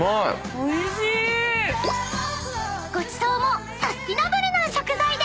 ［ごちそうもサスティナブルな食材で］